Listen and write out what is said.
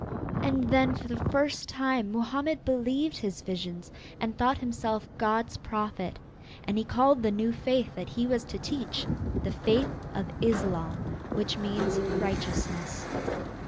And then for the first time Mohammed believed his visions and thought himself God's Prophet, and he called the new faith that he was to teach the faith of Islam, which means righteousness.